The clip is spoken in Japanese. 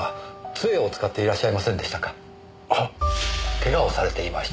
ケガをされていました。